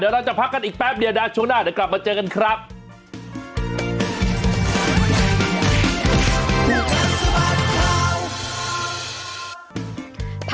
ขอบคุณครับเดี๋ยวเราจะพักกันอีกแปป